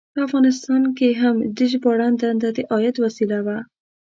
په افغانستان کې هم د ژباړن دنده د عاید وسیله وه.